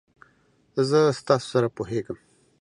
زه ستاسو سره پوهیږم.